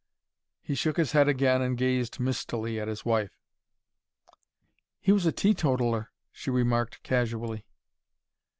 He shook his head again and gazed mistily at his wife. "He was a teetotaller," she remarked, casually.